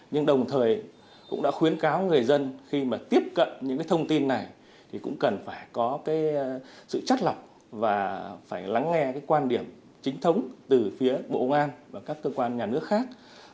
nhưng đồng thời cũng đã khuyến cáo người dân khi mà tiếp cận những thông tin này thì cũng cần phải có sự chất lọc và phải lắng nghe quan điểm chính thống từ phía bộ ngoan và các cơ quan nhà nước khác